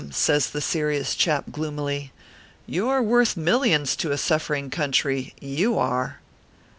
says the serious chap, gloomily, " you re worth millions to a suffering country you are."